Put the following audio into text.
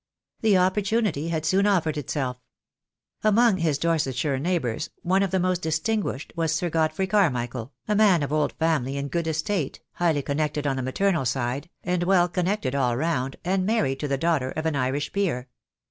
The opportunity had soon offered itself. Among his Dorsetshire neighbours one of the most distinguished was Sir Godfrey Carmichael, a man of old family and good estate, highly connected on the maternal side, and well connected all round, and married to the daughter of an Irish peer.